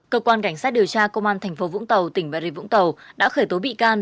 cơ quan cảnh sát điều tra công an thành phố vũng tàu tỉnh bà rịa vũng tàu đã khởi tố bị can